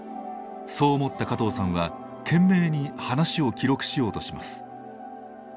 そう思った加藤さんは懸命に話を記録しようとします。